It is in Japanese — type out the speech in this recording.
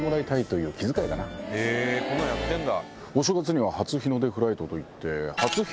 こんなんやってんだ。